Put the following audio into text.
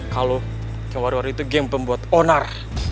kalo game wario war itu game pembuat onar